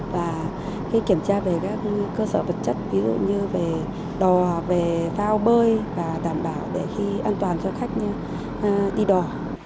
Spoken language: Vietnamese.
và kiểm tra về các cơ sở vật chất ví dụ như về đò về phao bơi và đảm bảo để khi an toàn cho khách đi đò